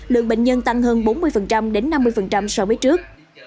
lượng bệnh nhân tăng hơn bốn mươi đến năm mươi so với trước